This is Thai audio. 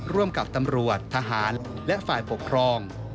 ร่วมกับตำรวจทหารและฝ่ายปกครอง